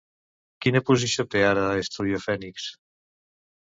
Quina posició té ara en Estudio Fénix?